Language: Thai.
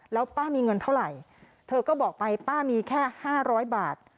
แล้วป้ามีเงินเท่าไหร่เธอก็บอกไปป้ามีแค่๕๐๐บาท